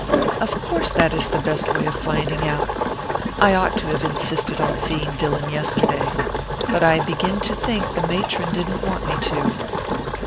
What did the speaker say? "Of course that is the best way of finding out. I ought to have insisted on seeing Dillon yesterday but I begin to think the matron didn't want me to."